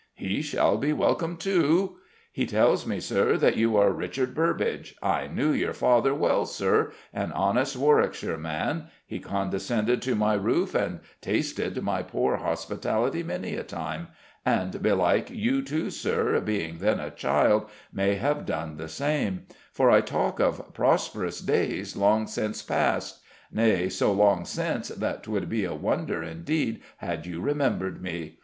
"He shall be welcome, too." "He tells me, Sir, that you are Richard Burbage. I knew your father well, Sir an honest Warwickshire man: he condescended to my roof and tasted my poor hospitality many a time; and belike you, too, Sir, being then a child, may have done the same: for I talk of prosperous days long since past nay, so long since that 'twould be a wonder indeed had you remembered me.